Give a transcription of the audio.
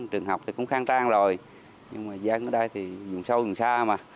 trường học thì cũng khang trang rồi nhưng mà dân ở đây thì dùng sâu gần xa mà